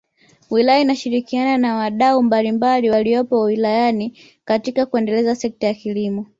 Wilaya inashirikiana na wadau mbalimbali waliopo wilayani katika kuendeleza sekta ya kilimo